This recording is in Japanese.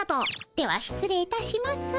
では失礼いたします。